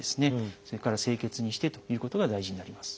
それから清潔にしてということが大事になります。